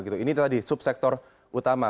ini tadi subsektor utama